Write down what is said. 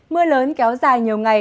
mưa lớn kéo dài nhiều ngày